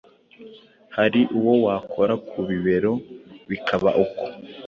Hari uwo wakora ku bibero bikaba uko